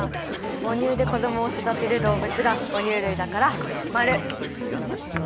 母乳で子どもを育てる動物が哺乳類だから○！